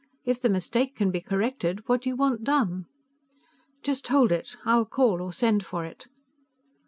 If the mistake can be corrected, what do you want done?" "Just hold it; I'll call or send for it."